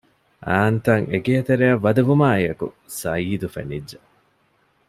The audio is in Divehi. އާންތަށް އެގޭތެރެއަށް ވަދެވުމާއެކު ސަޢީދު ފެނިއްޖެ